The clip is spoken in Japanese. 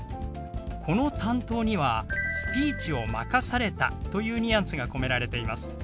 この「担当」には「スピーチを任された」というニュアンスが込められています。